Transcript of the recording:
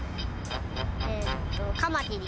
えーっとカマキリ。